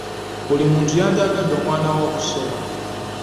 Buli muntu yandyagadde omwana we asome.